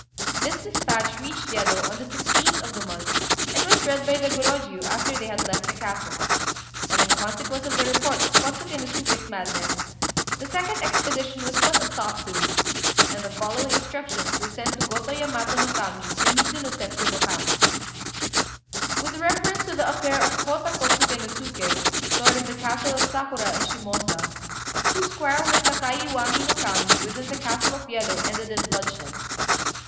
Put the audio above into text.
This despatch reached Yedo on the 16th of the month, and was read by the Gorôjiu after they had left the castle; and in consequence of the report of Kôtsuké no Suké's madness, the second expedition was put a stop to, and the following instructions were sent to Gotô Yamato no Kami and Midzuno Setsu no Kami "With reference to the affair of Hotta Kôtsuké no Suké, lord of the castle of Sakura, in Shimôsa, whose quarrel with Sakai Iwami no Kami within the castle of Yedo ended in bloodshed.